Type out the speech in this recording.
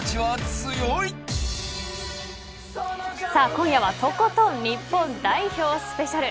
今夜はとことん日本代表スペシャル。